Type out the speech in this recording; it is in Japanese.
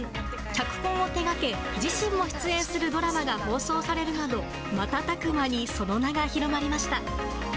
脚本を手掛け、自身も出演するドラマが放送されるなど瞬く間にその名が広がりました。